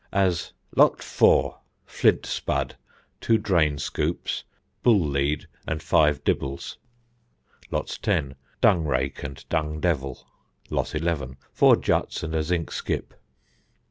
As "Lot 4. Flint spud, two drain scoops, bull lead and five dibbles. Lot 10. Dung rake and dung devil. Lot 11. Four juts and a zinc skip."